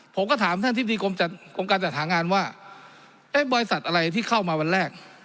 ผมก็ถามท่านอธิบดีกรมการจัดหางานว่าเอ๊ะบริษัทอะไรที่เข้ามาวันแรก